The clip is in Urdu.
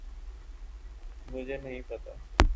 مجھے نہیں پتہ۔